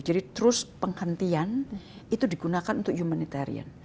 jadi truce penghentian itu digunakan untuk humanitarian